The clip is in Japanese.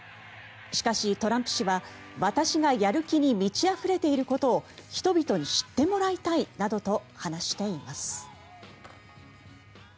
しかし、トランプ氏は私がやる気に満ちあふれていることを人々に知ってもらいたいなどと話しています。